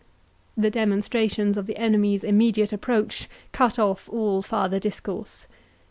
The demonstrations of the enemy's immediate approach cut off all farther discourse.